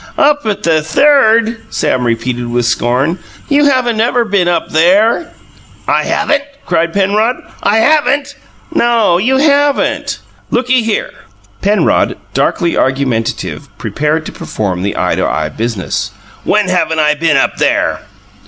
"Up at the Third!" Sam repeated with scorn. "You haven't ever been up there." "I haven't?" cried Penrod. "I HAVEN'T?" "No, you haven't!" "Looky here!" Penrod, darkly argumentative, prepared to perform the eye to eye business. "When haven't I been up there?"